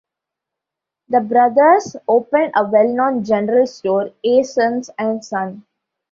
The brothers opened a well-known general store, A. Sones and Son.